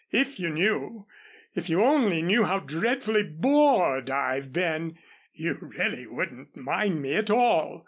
If you knew if you only knew how dreadfully bored I've been, you really wouldn't mind me at all."